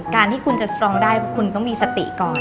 การที่คุณจะสตรองได้เพราะคุณต้องมีสติก่อน